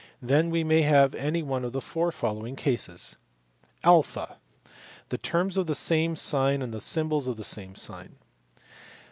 Then we may have any one of the four following cases : (a) the terms of the same sign and the symbols of the same sign